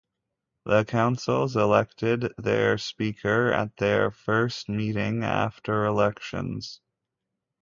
The councils elected their speaker at their first meeting after elections.